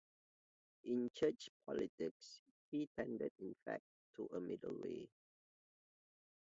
In church politics, he tended in fact to a middle way.